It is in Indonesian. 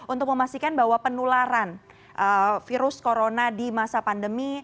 untuk memastikan bahwa penularan virus corona di masa pandemi